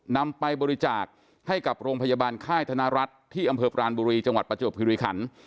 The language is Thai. นำไปบริจาคให้กับโรงพยาบาลค่ายธนรัฐที่อำเภอปรานบุรีจังหวัดประจวบคิริขัน